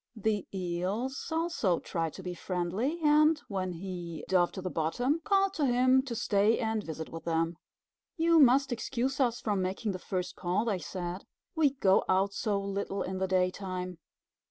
The Eels also tried to be friendly, and, when he dove to the bottom, called to him to stay and visit with them. "You must excuse us from making the first call," they said. "We go out so little in the daytime."